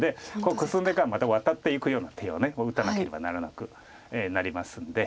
コスんでからまたワタっていくような手を打たなければならなくなりますんで。